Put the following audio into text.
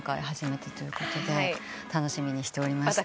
楽しみにしておりました。